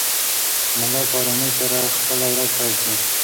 ملا په ارامۍ سره خپله ورځ پیل کړه.